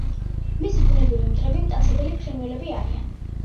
მისი ბუნებრივი მტრები მტაცებელი ფრინველები არიან.